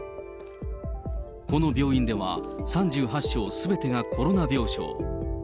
この病院では３８床すべてがコロナ病床。